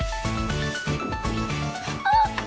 あっ！